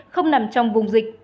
không nằm trong vùng dịch